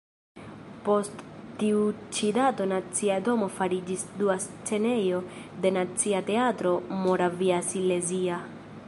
Post tiu ĉi dato Nacia domo fariĝis dua scenejo de Nacia teatro moraviasilezia.